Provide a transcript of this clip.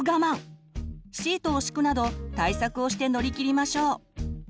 シートを敷くなど対策をして乗り切りましょう。